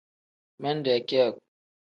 Minde kiyaku.